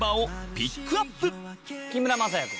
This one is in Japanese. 木村柾哉君。